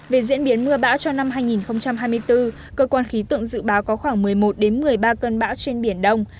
về diễn biến mưa bão cho năm hai nghìn hai mươi bốn cơ quan khí tượng dự báo có khoảng một mươi một một mươi ba cơn bão trên biển đông